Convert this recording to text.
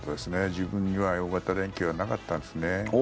自分には大型連休はなかったですね。